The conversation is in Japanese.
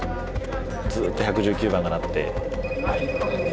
ずっと１１９番が鳴って。